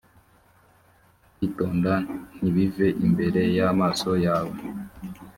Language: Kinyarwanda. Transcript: kwitonda ntibive imbere y amaso yawe